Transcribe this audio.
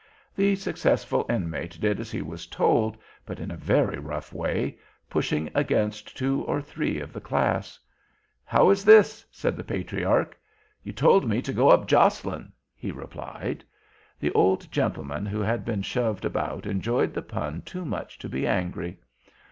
The successful Inmate did as he was told, but in a very rough way, pushing against two or three of the Class. "How is this?" said the Patriarch. "You told me to go up jostlin'," he replied. The old gentlemen who had been shoved about enjoyed the pun too much to be angry.